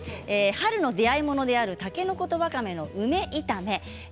春の出会いものであるたけのことわかめの梅炒め。